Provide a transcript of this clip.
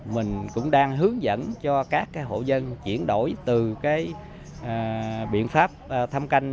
mình cũng đang hướng dẫn cho các hộ dân chuyển đổi từ biện pháp thăm canh